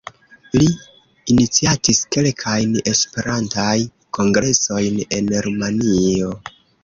Li iniciatis kelkajn Esperantaj kongresojn en Rumanio.